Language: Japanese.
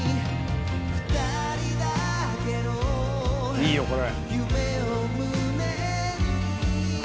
いいよこれ。